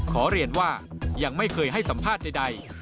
ขอเรียนว่ายังไม่เคยให้สัมภาษณ์ใด